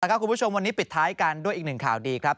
คุณผู้ชมวันนี้ปิดท้ายกันด้วยอีกหนึ่งข่าวดีครับ